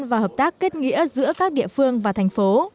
và hợp tác kết nghĩa giữa các địa phương và thành phố